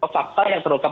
fakta yang terukam